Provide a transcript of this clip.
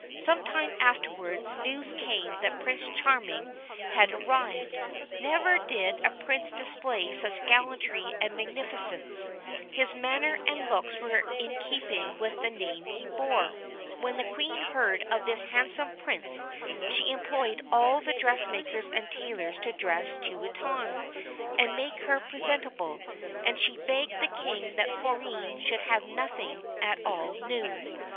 Some time afterwards, news came that Prince Charming had arrived. Never did a Prince display such gallantry and magnifi cence; his manner and looks were in keeping with the name he bore. 82 THE BLUE BIRD When the Queen heard of this handsome Prince she employed all the dressmakers and tailors to dress Truitonne, and make her pre sentable, and she begged the King that Florine should have nothing at all new.